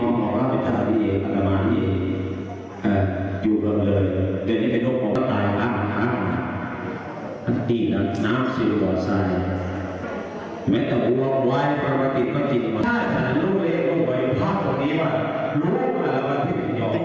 คราวตอนนี้ว่ารูกนำมาถึง